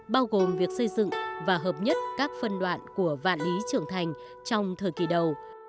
bao gồm việc xây dựng và hợp nhất các phân đoạn của vạn lý trưởng thành trong thời kỳ đầu